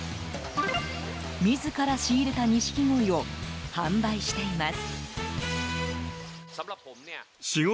自ら仕入れたニシキゴイを販売しています。